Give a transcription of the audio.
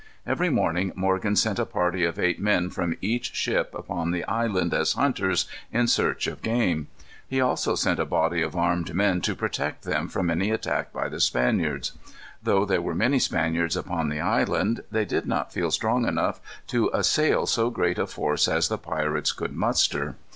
Every morning Morgan sent a party of eight men, from each ship, upon the island as hunters, in search of game. He also sent a body of armed men to protect them from any attack by the Spaniards. Though there were many Spaniards upon the island, they did not feel strong enough to assail so great a force as the pirates could muster.